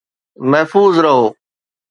محفوظ رهو